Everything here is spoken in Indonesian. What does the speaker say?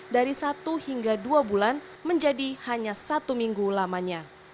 dari satu hingga dua bulan menjadi hanya satu minggu lamanya